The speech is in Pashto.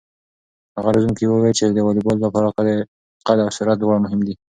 هغه روزونکی وویل چې د واليبال لپاره قد او سرعت دواړه مهم دي.